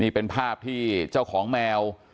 นี่เป็นภาพที่เจ้าของแมว